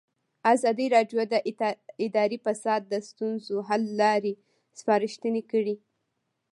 ازادي راډیو د اداري فساد د ستونزو حل لارې سپارښتنې کړي.